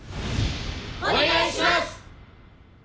お願いします！